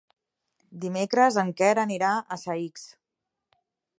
Dimecres en Quer anirà a Saix.